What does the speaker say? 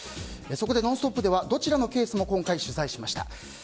そこで「ノンストップ！」ではどちらのケースも今回、取材しました。